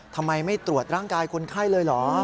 ทำไมไม่ตรวจร่างกายคนไข้เลยเหรอ